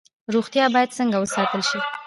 روغتیا باید څنګه وساتل شي؟